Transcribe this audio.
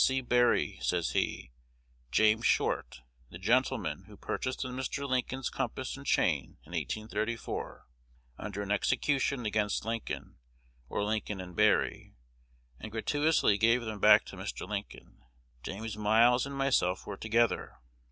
"S. C. Berry," says he, "James Short (the gentleman who purchased in Mr. Lincoln's compass and chain in 1834, under an execution against Lincoln, or Lincoln & Berry, and gratuitously gave them back to Mr. Lincoln), James Miles, and myself were together.